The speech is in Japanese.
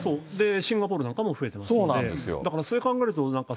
シンガポールなんかも増えてますよね。